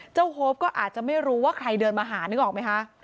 โฮปก็อาจจะไม่รู้ว่าใครเดินมาหานึกออกไหมคะ